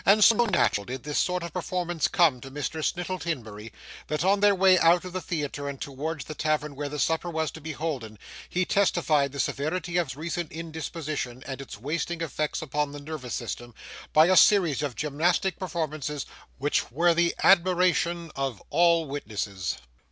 And so natural did this sort of performance come to Mr. Snittle Timberry, that on their way out of the theatre and towards the tavern where the supper was to be holden, he testified the severity of his recent indisposition and its wasting effects upon the nervous system, by a series of gymnastic performances which were the admiration of all witnesses.